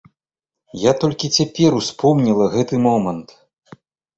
Я толькі цяпер успомніла гэты момант.